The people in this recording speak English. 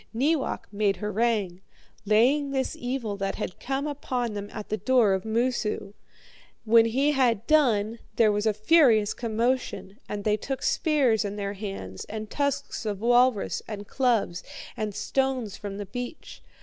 Neewak made harangue, laying this evil that had come upon them at the door of Moosu. When he had done, there was a furious commotion, and they took spears in their hands, and tusks of walrus, and clubs, and stones from the beach.